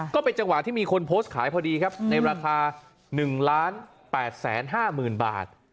ก็เป็นจังหวะที่มีคนโพสต์ขายพอดีครับในราคา๑๘๕๐๐๐บาท